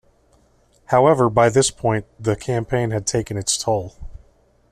However, by this point the campaign had taken its toll.